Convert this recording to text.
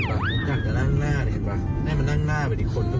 มานั่งเลยมานั่งเลยตูนมา